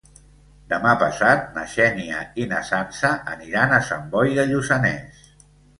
Demà passat na Xènia i na Sança aniran a Sant Boi de Lluçanès.